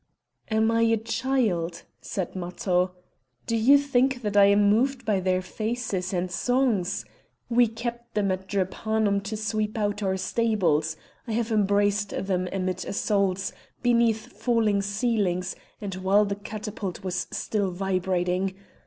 "Am I a child?" said Matho. "Do you think that I am moved by their faces and songs? We kept them at Drepanum to sweep out our stables. I have embraced them amid assaults, beneath falling ceilings, and while the catapult was still vibrating!